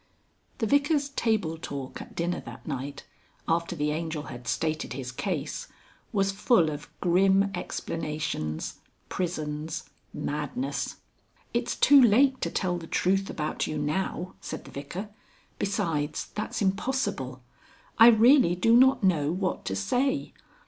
The Vicar's table talk at dinner that night, after the Angel had stated his case, was full of grim explanations, prisons, madness. "It's too late to tell the truth about you now," said the Vicar. "Besides, that's impossible. I really do not know what to say.